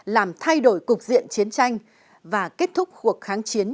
làm thay đổi cục diện chiến tranh và kết thúc cuộc kháng chiến